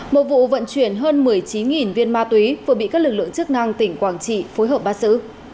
một vụ vận chuyển hơn một mươi chín viên ma túy vừa bị các lực lượng chức năng tỉnh quảng trị phối hợp bắt xử